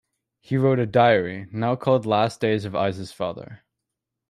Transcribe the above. He wrote a diary, now called Last Days of Issa's Father.